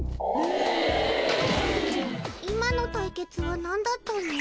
今の対決はなんだったの？